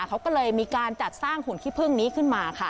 เขาก็เลยมีการจัดสร้างหุ่นขี้พึ่งนี้ขึ้นมาค่ะ